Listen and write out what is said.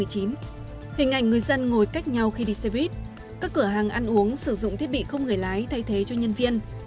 hình ảnh người dân ngồi cách nhau khi đi xe buýt các cửa hàng ăn uống sử dụng thiết bị không người lái thay thế cho nhân viên